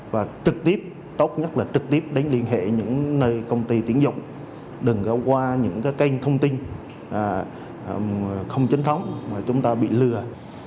và tốt nhất là trực tiếp đến liên hệ những nơi công ty tiếng dụng đừng qua những kênh thông tin không chân thống mà chúng ta bị lừa